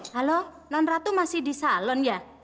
kalau non ratu masih di salon ya